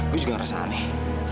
gue juga ngerasa aneh